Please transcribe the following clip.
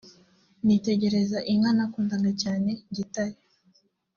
nitegereza inka nakundaga cyane Gitare